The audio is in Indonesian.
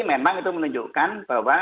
memang itu menunjukkan bahwa